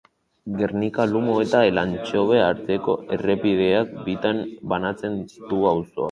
Gernika-Lumo eta Elantxobe arteko errepideak bitan banatzen du auzoa.